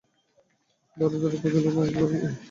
দ্বারে দ্বারে কদলীতরু ও মঙ্গলঘট, গৃহে গৃহে শঙ্খধ্বনি।